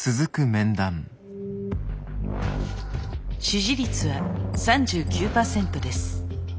支持率は３９％です。